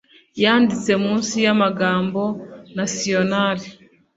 yanditse munsi y amagambo national